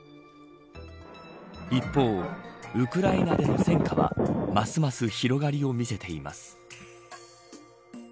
一方、ウクライナでの戦火はますます広がりを見せています。